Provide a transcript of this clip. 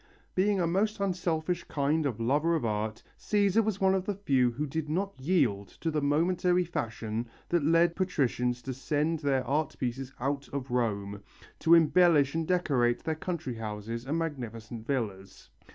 Being a most unselfish kind of lover of art, Cæsar was one of the few who did not yield to the momentary fashion that led patricians to send their art pieces out of Rome, to embellish and decorate their country houses and magnificent villas.